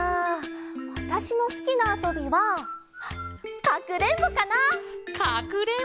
わたしのすきなあそびはかくれんぼかな！